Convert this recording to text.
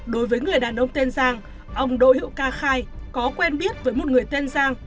đối với người đàn ông tên giang ông đỗ hữu ca khai có quen biết với một người tên giang